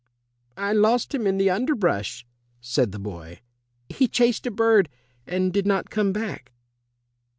"I lost him in the underbrush," said the boy; "he chased a bird and did not come back."